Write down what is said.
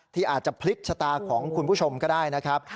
ที่อาจจะพลิกชะตาของคุณผู้ชมก็ได้นะครับ